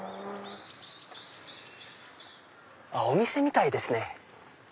お店みたいですね。